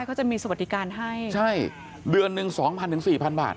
เขาจะมีสวัสดิการให้ใช่เดือนหนึ่ง๒๐๐๐ถึง๔๐๐๐บาท